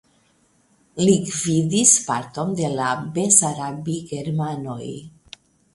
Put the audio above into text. Li gvidis parton de la besarabigermanoj.